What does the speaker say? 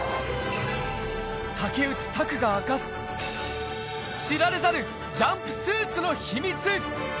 竹内拓が明かす、知られざるジャンプスーツの秘密。